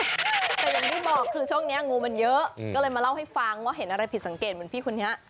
แต่อย่างที่บอกคือช่วงนี้งูมันเยอะก็เลยมาเล่าให้ฟังว่าเห็นอะไรผิดสังเกตเหมือนพี่คนนี้